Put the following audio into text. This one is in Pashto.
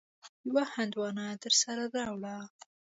يوه هندواڼه درسره راوړه.